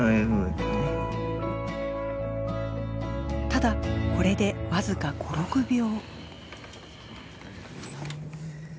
ただこれで僅か５６秒。